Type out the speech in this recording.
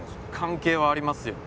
関係はありますよ。